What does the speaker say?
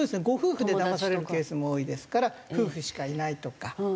ご夫婦でだまされるケースも多いですから夫婦しかいないとか。